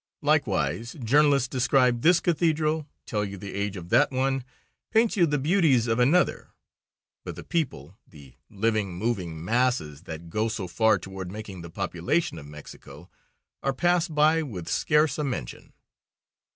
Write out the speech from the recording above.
Likewise, journalists describe this cathedral, tell you the age of that one, paint you the beauties of another, but the people, the living, moving masses that go so far toward making the population of Mexico, are passed by with scarce a mention.